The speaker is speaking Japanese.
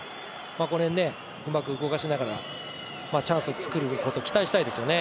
この辺、うまく動かしながらチャンスを作ることを期待したいですよね。